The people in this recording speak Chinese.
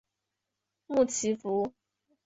穆奇福。